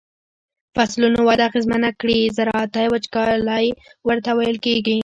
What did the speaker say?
فصلونو وده اغیزمنه کړي زراعتی وچکالی ورته ویل کیږي.